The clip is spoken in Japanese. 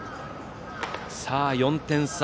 さあ、４点差。